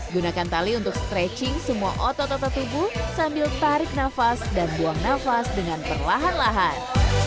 gunakan tali untuk stretching semua otot otot tubuh sambil tarik nafas dan buang nafas dengan perlahan lahan